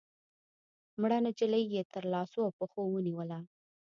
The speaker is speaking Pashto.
مړه نجلۍ يې تر لاسو او پښو ونيوله